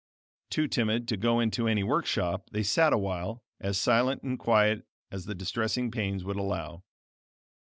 Too timid to go into any workshop, they sat a while, as silent and quiet as the distressing pains would allow.